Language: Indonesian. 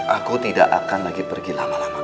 aku tidak akan lagi pergi lama lama